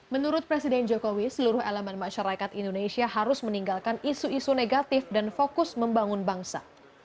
menurut presiden jokowi seluruh elemen masyarakat indonesia harus meninggalkan isu isu negatif dan fokus membangun bangsa